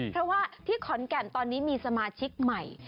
เพราะว่าที่ขอนแก่นตอนนี้มีสมาชิกใหม่